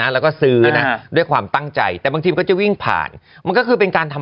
แล้วก็คือผ่านแต่ถ้าอยากกินก็คือจอ